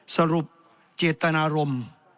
สรุปเจตนารมณ์